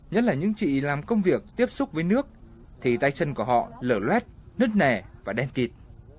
nhất là những chị làm công việc tiếp xúc với nước thì tay chân của họ lở luet nứt nẻ và đen kịt